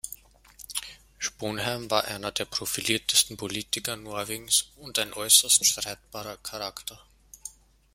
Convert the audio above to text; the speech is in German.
Sponheim war einer der profiliertesten Politiker Norwegens und ein äußerst streitbarer Charakter.